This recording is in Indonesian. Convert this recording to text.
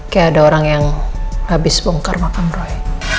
kayak ada orang yang habis bongkar makam roy